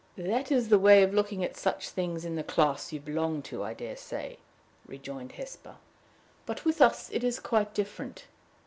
"That is the way of looking at such things in the class you belong to, I dare say," rejoined Hesper; "but with us it is quite different.